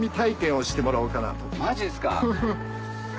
マジですか？